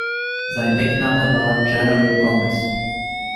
Sein Deckname war „General Gómez“.